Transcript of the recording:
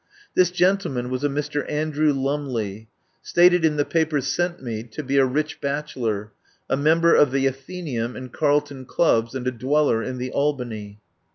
This gentleman was a Mr. Andrew Lumley, stated in the papers sent me to be a rich bachelor, a member of the Athenaeum and Carlton Clubs, and a dweller in the Albany.